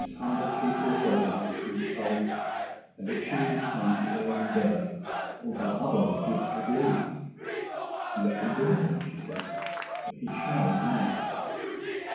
This humble keeper of lodgings was told that if she retained Aaron Burr all her other lodgers would leave—'Let them do it then,' she said, 'but he shall remain.